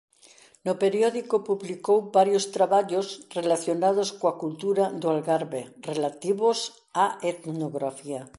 No periódico publicou varios traballos relacionados coa cultura do Algarve relativos á etnografía.